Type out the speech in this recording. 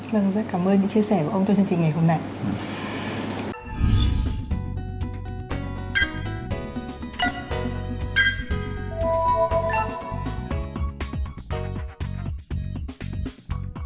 vâng rất cảm ơn những chia sẻ của ông trong chương trình ngày hôm nay